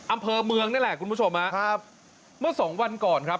อำเภอเมืองนี่แหละคุณผู้ชมฮะครับเมื่อสองวันก่อนครับ